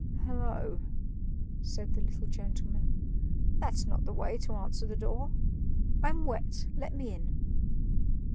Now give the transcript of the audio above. "Hollo!" said the little gentleman; "that's not the way to answer the door. I'm wet; let me in."